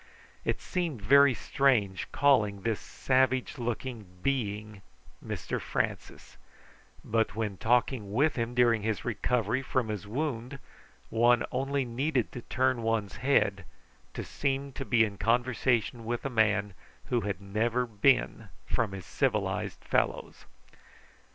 It seemed very strange calling this savage looking being Mr Francis, but when talking with him during his recovery from his wound one only needed to turn one's head to seem to be in conversation with a man who had never been from his civilised fellows.